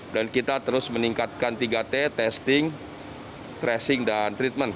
dan kita terus meningkatkan tiga t testing tracing dan treatment